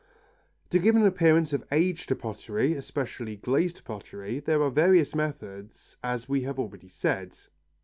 To give an appearance of age to pottery, especially glazed pottery, there are various methods, as we have already said.